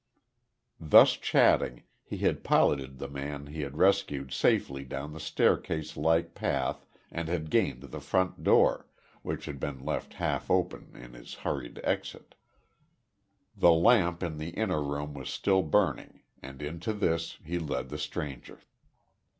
Thus chatting, he had piloted the man he had rescued safely down the staircase like path and had gained the front door, which had been left half open in his hurried exit. The lamp in the inner room was still burning, and into this he led the stranger.